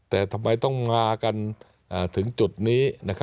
แต่ทำไมต้องงากันถึงจุดนี้